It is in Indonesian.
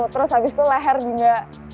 terus habis itu leher juga